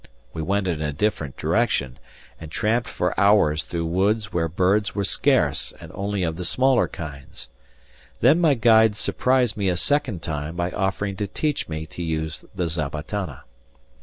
We went in a different direction, and tramped for hours through woods where birds were scarce and only of the smaller kinds. Then my guide surprised me a second time by offering to teach me to use the zabatana.